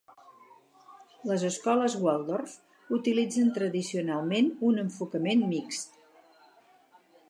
Les escoles Waldorf utilitzen tradicionalment un enfocament mixt.